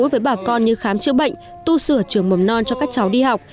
với bà con như khám chữa bệnh tu sửa trường mầm non cho các cháu đi học